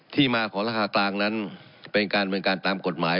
ที่มาของราคากลางนั้นเป็นการเมืองการตามกฎหมาย